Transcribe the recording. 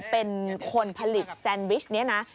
เป็นคนผลิตแซนวิชนี้นะ